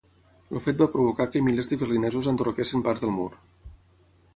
El fet va provocar que milers de berlinesos enderroquessin parts del Mur.